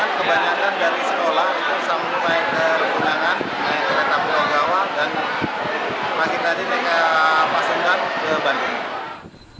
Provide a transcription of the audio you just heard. ini tujuan yang terbongkar kebanyakan dari sekolah itu selama semula yang tergunaan kereta pulau gawa dan pagi tadi mereka pasangkan ke bandung